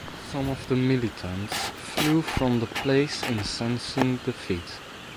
Some of the militants flew from the place in sensing defeat.